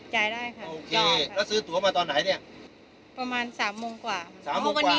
จ่ายได้ค่ะโอเคแล้วซื้อตัวมาตอนไหนเนี่ยประมาณสามโมงกว่าสามโมงวันนี้